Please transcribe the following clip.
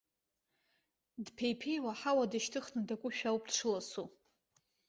Дԥеиԥеиуа аҳауа дышьҭыхны дакушәа ауп дшыласу.